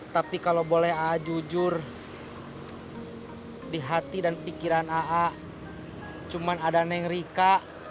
tapi kalau boleh jujur di hati dan pikiran aa cuma ada neng rika